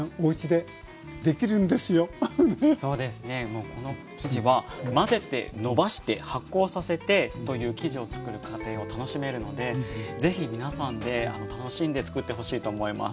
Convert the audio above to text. もうこの生地は混ぜてのばして発酵させてという生地をつくる過程を楽しめるので是非皆さんで楽しんでつくってほしいと思います。